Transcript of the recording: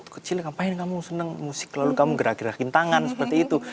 kecil ngapain kamu senang musik lalu kamu gerak gerakin tangan seperti itu